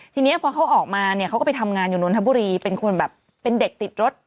ทีนี้พอเขาออกมาเนี่ยเขาก็ไปทำงานอยู่นนทบุรีเป็นคนแบบเป็นเด็กติดรถ